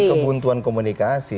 bukan kebutuhan komunikasi